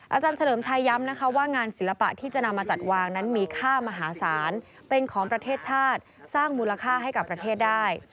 อาจารย์เฉลิมชัยย้ำนะคะว่างานศิลปะที่จะนำมาจัดวางนั้นมีค่ามหาศาลเป็นของประเทศชาติสร้างมูลค่าให้กับประเทศได้